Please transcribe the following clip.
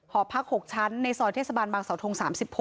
หอพัก๖ชั้นในซอยเทศบาลบางสาวทง๓๖